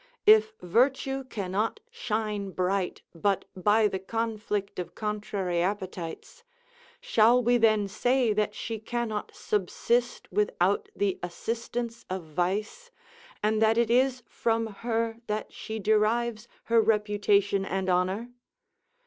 If virtue cannot shine bright, but by the conflict of contrary appetites, shall we then say that she cannot subsist without the assistance of vice, and that it is from her that she derives her reputation and honour?